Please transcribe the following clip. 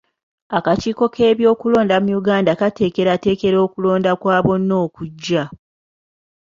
Akakiiko k'ebyokulonda mu Uganda kateekerateekera okulonda kwa bonna okujja.